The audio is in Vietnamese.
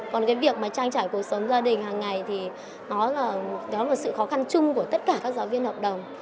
còn cái việc trang trải cuộc sống gia đình hằng ngày thì đó là một sự khó khăn chung của tất cả các giáo viên hợp đồng